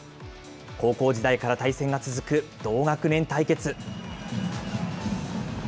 高校時代から対戦が続く同学年対決。